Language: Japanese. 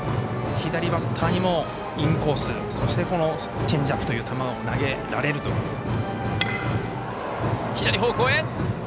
左バッターにもインコースそして、チェンジアップという球を投げられるという。